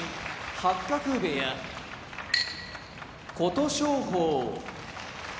八角部屋琴勝峰